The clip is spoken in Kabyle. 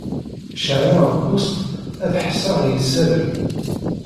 Ceεleɣ lpusṭ ad ḥesseɣ i isallen.